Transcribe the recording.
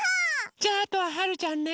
じゃああとははるちゃんね。